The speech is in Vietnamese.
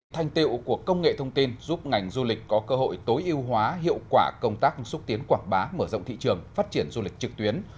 thành tiệu của công nghệ thông tin giúp ngành du lịch có cơ hội tối ưu hóa hiệu quả công tác xúc tiến quảng bá mở rộng thị trường phát triển du lịch trực tuyến